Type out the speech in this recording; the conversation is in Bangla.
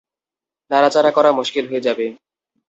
নাড়া-চাড়া করা মুশকিল হয়ে যাবে।